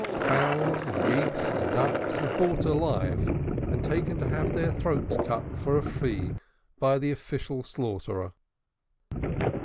Fowls and geese and ducks were bought alive, and taken to have their throats cut for a fee by the official slaughterer.